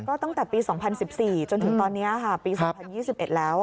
ก็ตั้งแต่ปี๒๐๑๔จนถึงตอนนี้ค่ะปี๒๐๒๑แล้ว